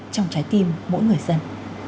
trong trái tim mỗi người dân